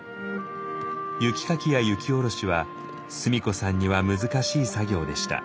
雪かきや雪下ろしは須美子さんには難しい作業でした。